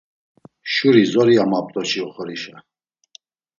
Şuri zori amap̌t̆oçi oxorişa.